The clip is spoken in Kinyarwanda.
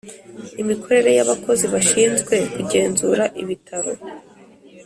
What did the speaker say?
imikorere y abakozi bashinzwe kugenzura ibitaro